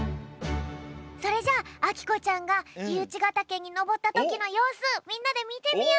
それじゃああきこちゃんが燧ヶ岳にのぼったときのようすみんなでみてみよう！